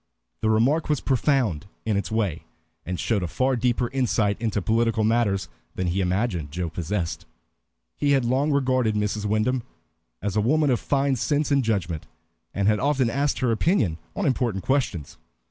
The remark was profound in its way, and showed a far deeper insight into political matters than he imagined Joe possessed. He had long regarded Mrs. Wyndham as a woman of fine sense and judgment, and had often asked her opinion on important questions.